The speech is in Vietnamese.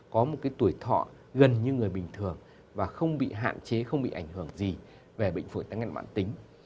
có một tuổi thọ gần như người bình thường và không bị hạn chế không bị ảnh hưởng gì về bệnh phổi tắc nghén mạng tính